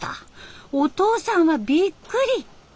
お父さんはびっくり！